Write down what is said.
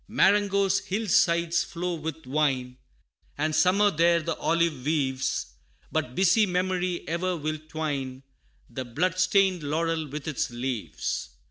Marengo's hill sides flow with wine And summer there the olive weaves, But busy memory e'er will twine The blood stained laurel with its leaves.